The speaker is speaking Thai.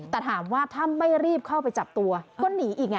แต่ถามว่าถ้าไม่รีบเข้าไปจับตัวก็หนีอีกไง